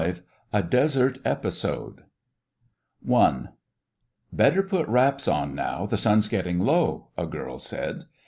V A DESERT EPISODE 1 "Better put wraps on now. The sun's getting low," a girl said.